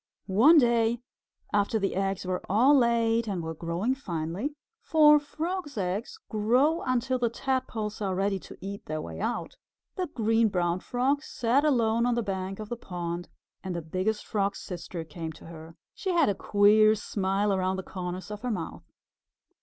One day, after the eggs were all laid and were growing finely (for Frogs' eggs grow until the Tadpoles are ready to eat their way out), the Green Brown Frog sat alone on the bank of the pond and the Biggest Frog's Sister came to her. She had a queer smile around the corners of her mouth.